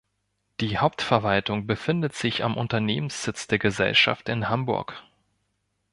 Die Hauptverwaltung befindet sich am Unternehmenssitz der Gesellschaft in Hamburg.